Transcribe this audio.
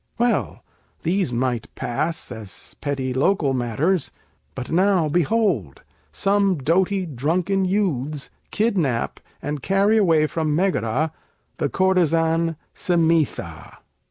Well, these might pass, as petty local matters. But now, behold, some doughty drunken youths Kidnap, and carry away from Megara, The courtesan, Simætha.